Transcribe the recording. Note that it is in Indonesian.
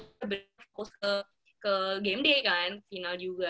kemudian aku ke gameday kan final juga